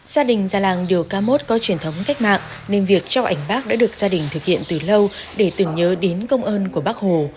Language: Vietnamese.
gia đình già làng điều ca mốt có truyền thống cách mạng nên việc treo ảnh bác đã được gia đình thực hiện từ lâu để tưởng nhớ đến công ơn của bác hồ